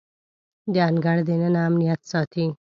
د انګړ دننه امنیت ساتي.